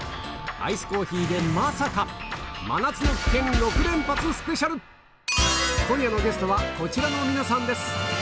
アイスコーヒーでまさか今夜のゲストはこちらの皆さんです